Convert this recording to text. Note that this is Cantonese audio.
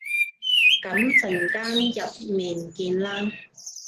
噉陣間入面見啦